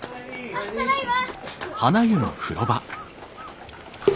あっただいま。